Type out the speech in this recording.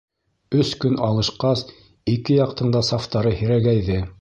Өс көн алышҡас, ике яҡтың да сафтары һирәгәйҙе.